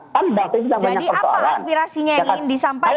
jadi apa aspirasinya yang ingin disampaikan